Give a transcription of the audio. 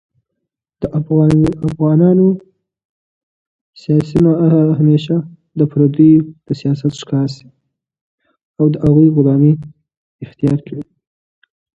د جنګ او جګړو له امله هیواد ویجاړ شو.